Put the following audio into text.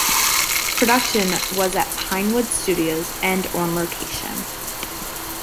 Production was at Pinewood Studios and on location.